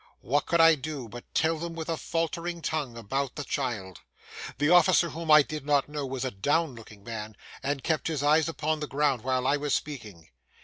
What could I do but tell them with a faltering tongue about the child? The officer whom I did not know was a down looking man, and kept his eyes upon the ground while I was speaking.